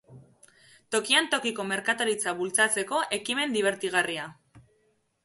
Tokian tokiko merkataritza bultzatzeko ekimen dibertigarria.